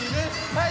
はい！